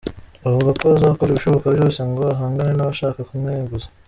Avuga ko azakora ibishoboka byose ngo ahangane n’abashaka kumweguza.